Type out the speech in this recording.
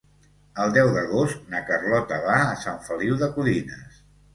El deu d'agost na Carlota va a Sant Feliu de Codines.